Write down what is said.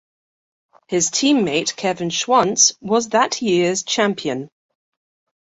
His team-mate Kevin Schwantz was that year's champion.